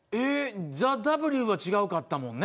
ＴＨＥＷは違ったもんね。